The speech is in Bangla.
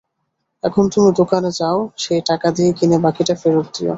এখন তুমি দোকানে যাও, সেই টাকা দিয়ে কিনে বাকিটা ফেরত দিয়ো।